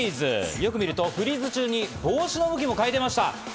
よく見るとフリーズ中に帽子の向きも変えていました。